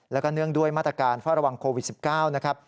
แล้วก็เนื่องด้วยมาตรการเฝ้าระวังโควิด๑๙นะครับ